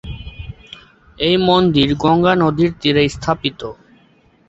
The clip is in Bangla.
এই মন্দির গঙ্গা নদীর তীরে স্থাপিত।